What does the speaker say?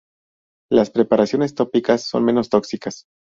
Las preparaciones tópicas son menos tóxicas.